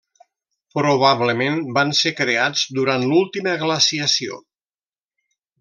Probablement van ser creats durant l'última glaciació.